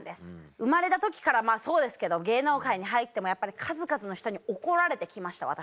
生まれた時からそうですけど芸能界に入ってもやっぱり数々の人に怒られて来ました私。